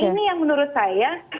ini yang menurut saya